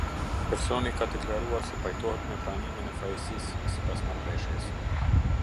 Personi ka deklaruar se pajtohet me pranimin e fajësisë sipas marrëveshjes